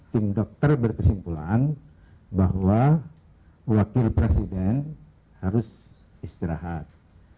tim dokter berkesimpulan bahwa wakil presiden harus istirahat